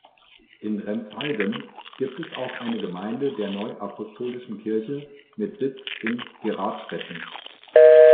In Remshalden gibt es auch eine Gemeinde der Neuapostolischen Kirche mit Sitz in Geradstetten.